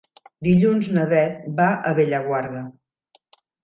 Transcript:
Dilluns na Bet va a Bellaguarda.